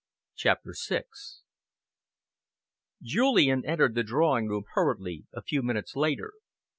CHAPTER VI Julian entered the drawing room hurriedly a few minutes later.